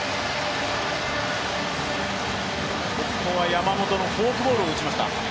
山本のフォークボールを打ちました。